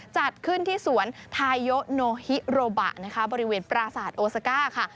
จัดขึ้นที่สวนทายโยโนฮิโรบะนะคะบริเวณปราศาสตร์โอซาก้าค่ะ